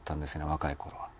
若い頃は。